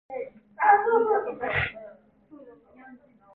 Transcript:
더구나 자기 딸이 일해 보지 못한 것을 자랑거리로 아는 모양이다.